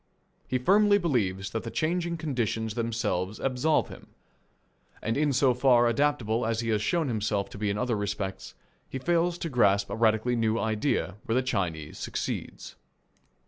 He firmly believes that the changing conditions themselves absolve him. And in so far adaptable as he has shown himself to be in other respects, he fails to grasp a radically new idea where the Chinese succeeds.